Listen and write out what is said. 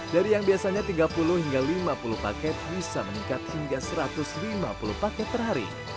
dari yang biasanya tiga puluh hingga lima puluh paket bisa meningkat hingga satu ratus lima puluh paket per hari